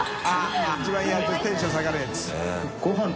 △一番やるとテンション下がるやつ。